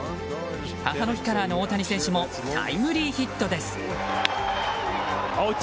母の日カラーの大谷選手もタイムリーヒットです。